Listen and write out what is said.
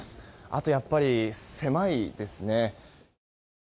あとやっぱり狭いですね。